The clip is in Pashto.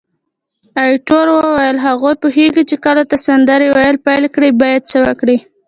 ایټور وویل: هغوی پوهیږي چې کله ته سندرې ویل پیل کړې باید څه وکړي.